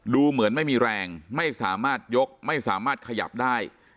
ดูเหมือนไม่มีแรงไม่สามารถยกไม่สามารถขยับได้